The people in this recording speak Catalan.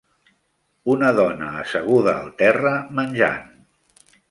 Una dona asseguda al terra menjant